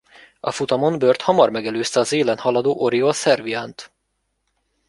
A futamon Bird hamar megelőzte az élen haladó Oriol Serviánt.